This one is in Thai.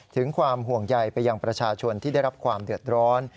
ถึงความห่วงใยไปยังประชาชนที่ได้รับความเดือดร้อน